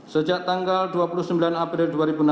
sejak tanggal dua puluh sembilan april dua ribu enam belas